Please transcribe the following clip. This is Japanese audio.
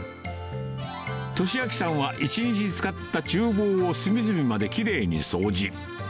利昭さんは１日使ったちゅう房を隅々まできれいに掃除。